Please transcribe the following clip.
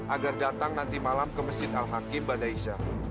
agar datang nanti malam ke masjid al hakim badaisah